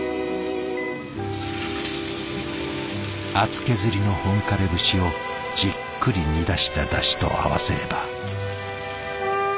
厚削りの本枯節をじっくり煮出しただしと合わせれば。